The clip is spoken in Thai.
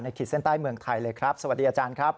ขีดเส้นใต้เมืองไทยเลยครับสวัสดีอาจารย์ครับ